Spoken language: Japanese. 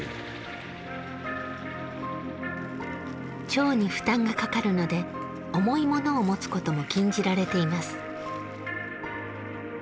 腸に負担がかかるので重いものを持つことも禁じられています。